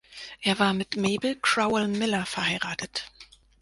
Er war mit Mabel Crowell Miller verheiratet.